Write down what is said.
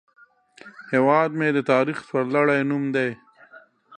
هیواد مې د تاریخ سرلوړی نوم دی